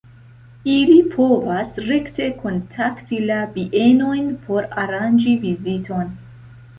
Ili povas rekte kontakti la bienojn por aranĝi viziton.